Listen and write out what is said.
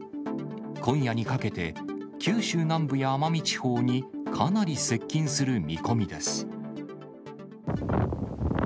今夜にかけて、九州南部や奄美地方にかなり接近する見込みです。